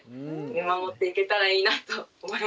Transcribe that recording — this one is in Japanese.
見守っていけたらいいなと思いました。